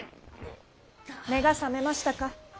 目が覚めましたか？